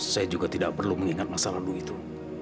saya juga tidak perlu mengingat masa lalu itu